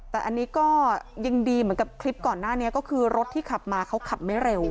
แต่อันนี้ก็ยังดีเหมือนกับคลิปก่อนหน้านี้ก็คือรถที่ขับมาเขาขับไม่เร็ว